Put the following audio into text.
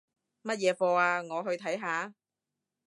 乜嘢課吖？我去睇下